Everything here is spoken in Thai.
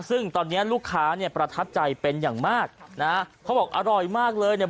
ซึ่งตอนเนี้ยลูกค้าเนี่ยประทับใจเป็นอย่างมากนะฮะเขาบอกอร่อยมากเลยเนี่ย